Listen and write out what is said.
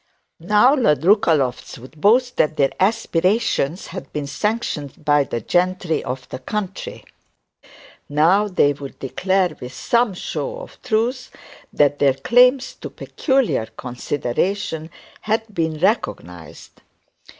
Now the Lookalofts would boast that their aspirations had been sanctioned by the gentry of the country; now they would declare with some show of truth that their claims to peculiar consideration had been recognised.